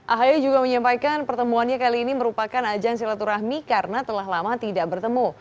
ahaya juga menyampaikan pertemuannya kali ini merupakan ajang silaturahmi karena telah lama tidak bertemu